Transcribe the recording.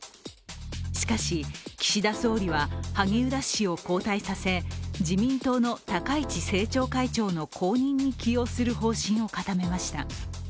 しかし、岸田総理は萩生田氏を交代させ、自民党の高市政調会長の後任に起用する方針を固めました。